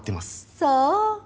そう。